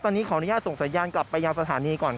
ตอนนี้ขออนุญาตส่งสัญญาณกลับไปยังสถานีก่อน